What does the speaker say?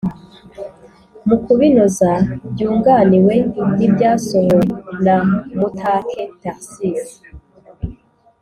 Mu kubinoza byunganiwe n’ibyasohowe na Mutake Tharcisse